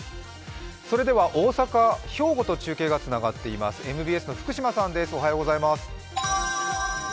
それでは大阪、兵庫と中継がつながっていますＭＢＳの福島さんです。